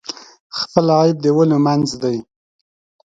خپل عیب د ولیو منځ دی.